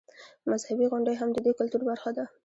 مذهبي غونډې هم د دې کلتور برخه ده.